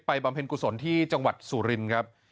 บำเพ็ญกุศลที่จังหวัดสุรินครับ